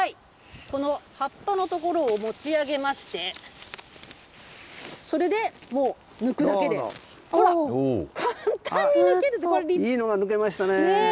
この葉っぱのところを持ち上げまして、それで、もう抜くだけいいのが抜けましたね。